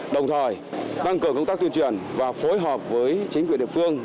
đồng thời tăng cường công tác tuyên truyền và phối hợp với chính quyền địa phương